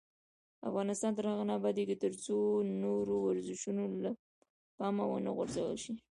افغانستان تر هغو نه ابادیږي، ترڅو نور ورزشونه له پامه ونه غورځول شي.